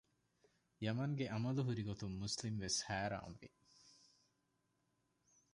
ޔަމަންގެ އަމަލު ހުރިގޮތުން މުސްލިމް ވެސް ހައިރާން ވި